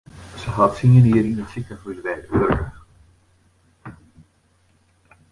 Se hat tsien jier yn it sikehús wurke.